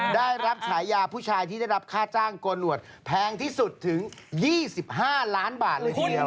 ได้รับฉายาผู้ชายที่ได้รับค่าจ้างโกนหวดแพงที่สุดถึง๒๕ล้านบาทเลยทีเดียว